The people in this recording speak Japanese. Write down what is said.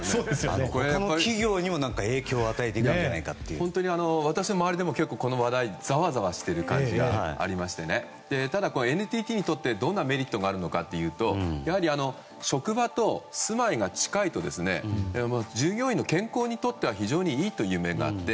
他の企業にも影響を私の周りでも、この話題ざわざわしている感じがあってＮＴＴにとってどんなメリットがあるかというと職場と住まいが近いと従業員の健康にとっては非常にいいということがあって